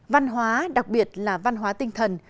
văn hóa đặc biệt là văn hóa tinh thần